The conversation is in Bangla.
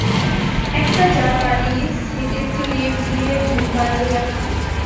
একটা যা পারি সিডেটিভ দিয়ে ঘুম পাড়িয়ে রাখা।